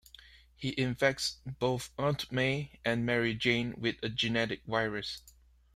He infects both Aunt May and Mary Jane with a genetic virus.